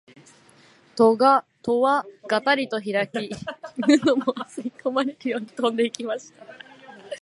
戸はがたりとひらき、犬どもは吸い込まれるように飛んで行きました